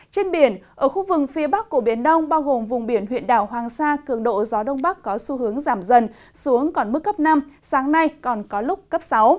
trên biển ở khu vực phía bắc của biển đông bao gồm vùng biển huyện đảo hoàng sa cường độ gió đông bắc có xu hướng giảm dần xuống còn mức cấp năm sáng nay còn có lúc cấp sáu